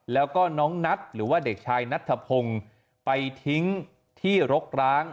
แล้วก็น้องนัทหรือว่าเด็กชายนัทธพงศ์ไปทิ้งที่รกร้าง